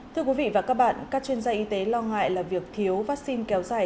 thưa quý vị và các bạn các chuyên gia y tế lo ngại là việc thiếu vaccine kéo dài